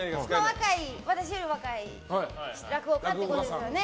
私より若い落語家ということですよね。